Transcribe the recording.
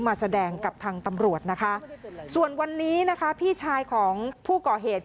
มาแสดงกับทางตำรวจนะคะส่วนวันนี้นะคะพี่ชายของผู้ก่อเหตุ